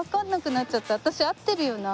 私合ってるよな？